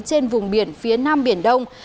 trên vùng biển phía nam biển đông